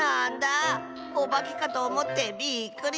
おばけかとおもってびっくりしたオバ。